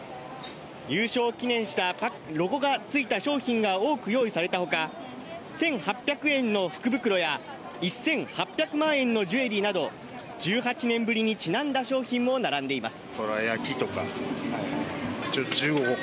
優勝を記念したロゴが付いた商品が多く用意された他、１８００円の福袋や１８００万円のジュエリーなど、１８年ぶりにちなんだ商品も並んでいます。